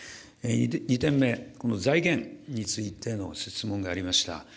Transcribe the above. ２点目、財源についての設問がありました。